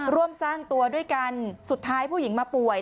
ร่วมสร้างตัวด้วยกันสุดท้ายผู้หญิงมาป่วย